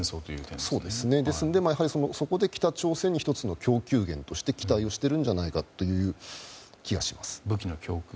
ですので、そこで北朝鮮を１つの供給源として期待をしているんじゃないかという気がします。